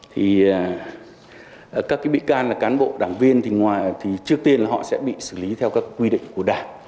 thì các cái bị can là cán bộ đảng viên thì ngoài thì trước tiên là họ sẽ bị xử lý theo các quy định của đảng